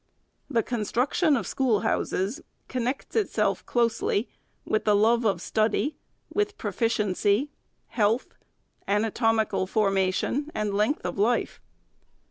The construction of schoolhouses connects itself closely with the love of study, with proficiency, health, anatomical formation, and length of life.